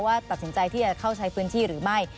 ว่าตัดสินใจที่จะเข้าใช้พื้นที่หรือไม่